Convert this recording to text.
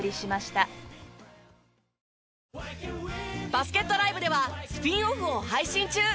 バスケットＬＩＶＥではスピンオフを配信中。